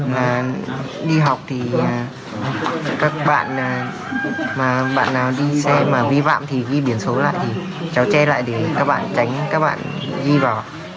mà đi học thì các bạn mà bạn nào đi xe mà vi phạm thì ghi biển số lại thì cháu che lại để các bạn tránh các bạn ghi vào